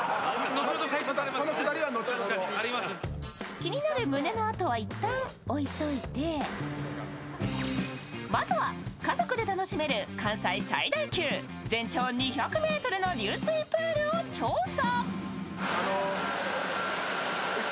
気になる胸の痕は一旦置いておいてまずは家族で楽しめる関西最大級、全長２００ｍの流水プールを調査。